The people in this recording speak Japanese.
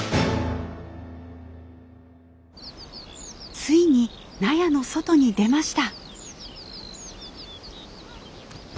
ついに納屋の外に出ました。